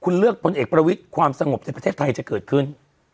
คุณเลือกพลเอกประวิทย์ความสงบในประเทศไทยจะเกิดขึ้น